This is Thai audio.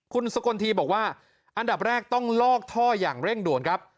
คุณสกลทีบอกว่าอันดับแรกต้องลอกท่ออย่างเร่งด่วนครับ